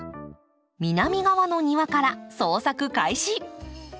南側の庭から捜索開始。